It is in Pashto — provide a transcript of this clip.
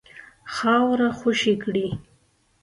خاوره خوشي کړي.